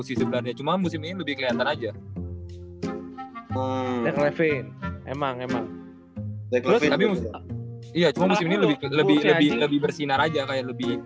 sih sebenarnya cuma musim ini lebih kelihatan aja levin emang emang lebih bersinar aja kayak lebih